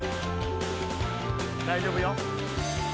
大丈夫よ。